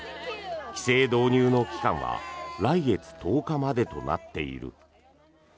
規制導入の期間は来月１０日までとなっている。